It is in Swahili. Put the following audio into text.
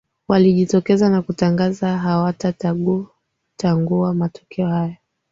walijitokeza na kutangaza hawatatagua matokeo hayo